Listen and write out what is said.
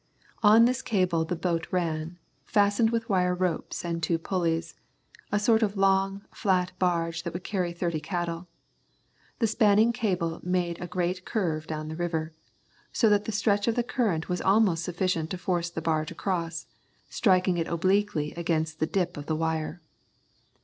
On this cable the boat ran, fastened with wire ropes and two pulleys, a sort of long, flat barge that would carry thirty cattle. The spanning cable made a great curve down the river, so that the strength of the current was almost sufficient to force the barge across, striking it obliquely against the dip of the wire.